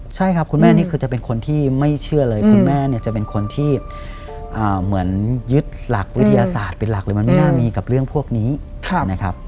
ใช่ครับคุณแม่นี่คือจะเป็นคนที่ไม่เชื่อเลยคุณแม่เนี่ยจะเป็นคนที่เหมือนยึดหลักวิทยาศาสตร์เป็นหลักเลยมันไม่น่ามีกับเรื่องพวกนี้นะครับ